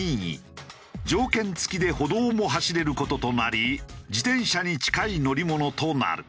条件付きで歩道も走れる事となり自転車に近い乗り物となる。